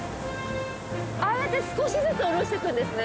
ああやって少しずつおろしていくんですね。